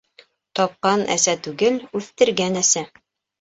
Тапҡан әсә түгел, үҫтергән әсә.